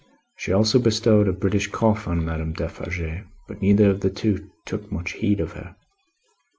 She also bestowed a British cough on Madame Defarge; but, neither of the two took much heed of her.